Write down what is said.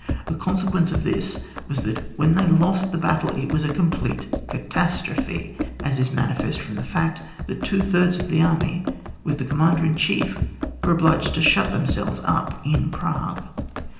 The consequence of this was that when they lost the battle, it was a complete cata strophe; as is manifest from the fact that two thirds of the army with the commander in chief were obliged to shut themselves up in Prague.